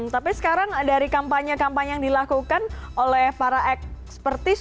tapi sekarang dari kampanye kampanye yang dilakukan oleh para ekspertis